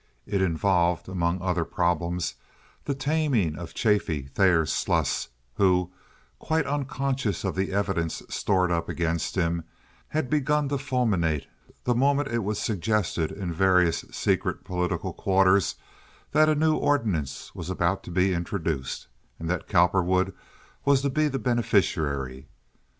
It involved, among other problems, the taming of Chaffee Thayer Sluss, who, quite unconscious of the evidence stored up against him, had begun to fulminate the moment it was suggested in various secret political quarters that a new ordinance was about to be introduced, and that Cowperwood was to be the beneficiary.